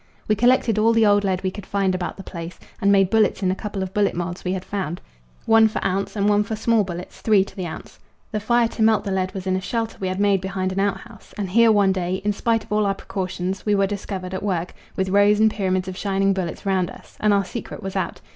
We collected all the old lead we could find about the place and made bullets in a couple of bullet moulds we had found one for ounce and one for small bullets, three to the ounce. The fire to melt the lead was in a shelter we had made behind an outhouse, and here one day, in spite of all our precautions, we were discovered at work, with rows and pyramids of shining bullets round us, and our secret was out.